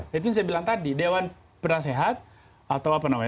itu yang saya bilang tadi dewan penasehat atau apa namanya